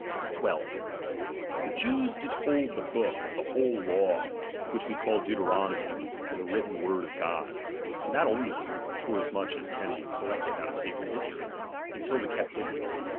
12. The Jews did hold the book of the whole whBt™i law, which was called Deuteronomy, for the written word at q< word of God ; and that only (forasmuch as can be ™™*'"' collected out of sacred history) until the captivity.